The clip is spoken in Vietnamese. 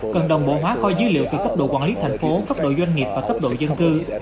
cần đồng bộ hóa kho dữ liệu từ cấp độ quản lý thành phố cấp đội doanh nghiệp và cấp độ dân cư